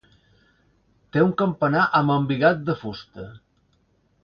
Té un campanar amb embigat de fusta.